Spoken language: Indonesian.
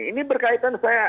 ini berkaitan saya